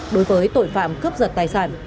đối với tội phạm cướp giật tài sản